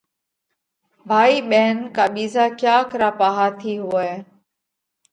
ڀائِي ٻينَ ڪا ٻِيزا ڪياڪ را پاها ٿِي هوئہ۔